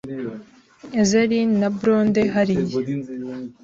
Ezzelin na blonde hariya